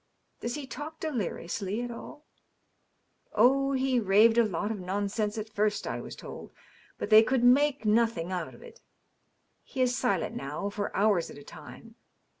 " Does he talk deliriously at all ?"" Oh, he raved a lot of nonsense at first, I was told. But they could make nothing out of it. He is silent, now, for hours at a time.